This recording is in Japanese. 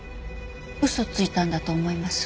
嘘ついたんだと思います。